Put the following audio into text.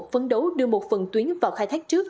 phấn đấu đưa một phần tuyến vào khai thác trước